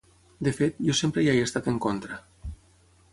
De fet, jo sempre hi he estat en contra.